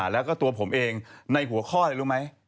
แล้วก็ตัวผมเองในหัวข้ออะไรรู้ไหม